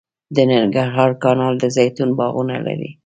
د ننګرهار کانال د زیتون باغونه لري